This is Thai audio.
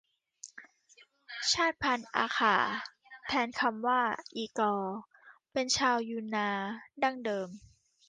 ชาติพันธุ์อาข่า แทนคำว่าอีก้อ เป็นชาวยูนนานดั้งเดิม